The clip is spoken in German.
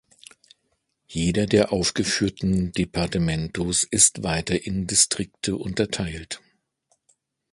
Jedes der aufgeführten Departamentos ist weiter in Distrikte unterteilt.